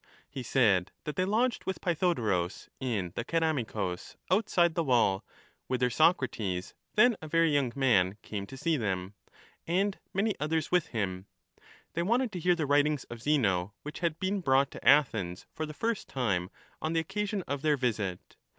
He said that they lodged with Pjrthodorus in the Ceramicus, outside the wall, whither Socrates, then a very young man, came to see them, and many others with him ; they wanted to hear the writings of Zeno, which had been brought to Athens for the first time on the occasion of their visit.